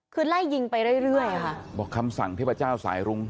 คือไล่ยิงไปเรื่อยเรื่อยค่ะบอกคำสั่งเทพเจ้าสายรุ้ง